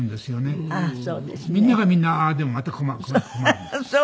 みんながみんなああでもまた困るんです。